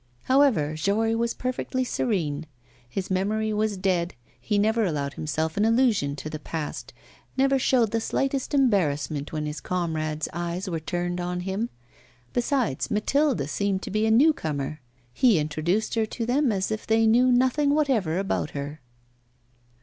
However, Jory was perfectly serene, his memory was dead, he never allowed himself an allusion to the past, never showed the slightest embarrassment when his comrades' eyes were turned on him. Besides, Mathilde seemed to be a new comer. He introduced her to them as if they knew nothing whatever about her.